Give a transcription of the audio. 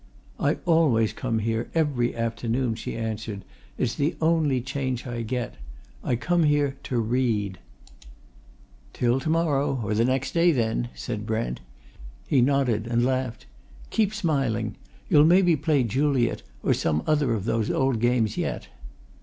"I always come here every afternoon," she answered. "It's the only change I get. I come here to read." "Till to morrow or the next day, then," said Brent. He nodded and laughed. "Keep smiling! You'll maybe play Juliet, or some other of those old games, yet."